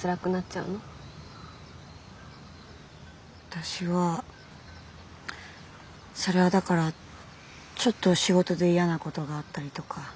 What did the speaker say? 私はそれはだからちょっと仕事で嫌なことがあったりとか。